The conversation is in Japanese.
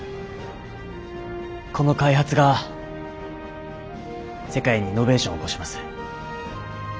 この開発が世界にイノベーションを起こします。